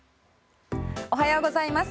おはようございます。